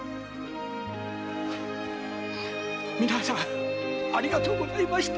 みなさんありがとうございました。